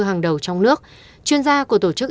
hàng đầu trong nước chuyên gia của tổ chức